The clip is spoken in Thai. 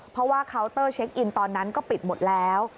เพราะว่าเคาน์เตอร์เช็คอินตอนนั้นก็ปิดหมดแล้ว